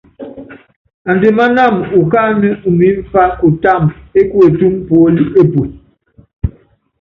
Andimánáma ukánɛ umimfá kutáma ékutúmu puóli epue.